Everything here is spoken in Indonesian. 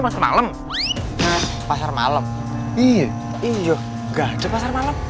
pasal malam pasar malam iya iya gajah pasar malam